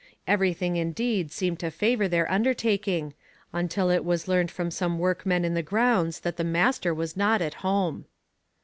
Everything, indeed, seemed to favour their undertaking, until it was learned from some workmen in the grounds that the master was not at home.